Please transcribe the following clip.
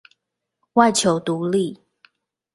外求獨立